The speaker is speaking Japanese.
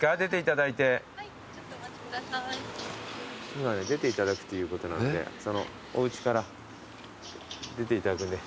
今出ていただくということなんでそのおうちから出ていただくんで。